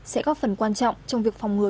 sẽ góp phần quan trọng trong việc phòng ngừa